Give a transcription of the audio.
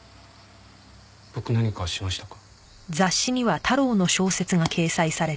僕何かしましたか？